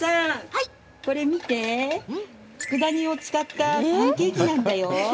つくだ煮を使ったパンケーキなんだよ。